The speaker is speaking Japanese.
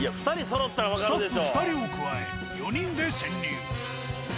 スタッフ２人を加え４人で潜入。